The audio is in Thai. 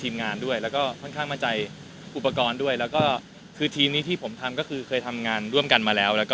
มันก็ต้องกลัวเป็นธรรมดาครับ